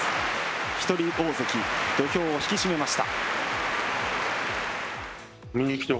一人大関、土俵を引き締めました。